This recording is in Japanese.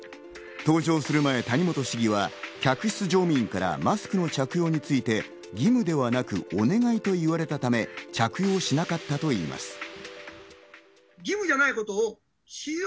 搭乗する前、谷本市議は客室乗務員からマスクの着用について、義務ではなく、お願いと言われたため、着用しなかったといいます。